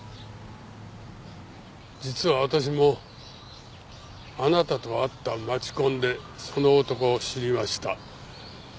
実は私もあなたと会った街コンでその男を知りました。